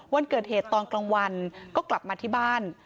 วันเกิดเหตุตอนกลางวันก็กลับมาที่บ้าน